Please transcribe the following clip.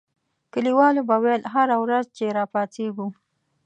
کلیوالو به ویل هره ورځ چې را پاڅېږو.